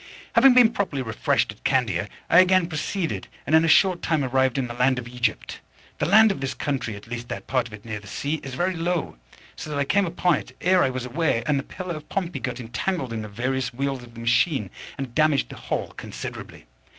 Having been properly refreshed at Candia, I again proceeded, and in a short time arrived in the land of Egypt. The land of this country, at least that part of it near the sea, is very low, so that I came upon it ere I was aware, and the Pillar of Pompey got entangled in the various wheels of the machine, and damaged the whole considerably.